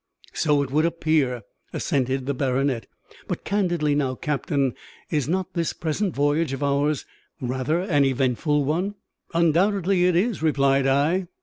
"So it would appear," assented the baronet. "But candidly now, captain, is not this present voyage of ours rather an eventful one?" "Undoubtedly it is," replied I.